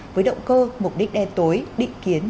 với động cơ mục đích đe tối định kiến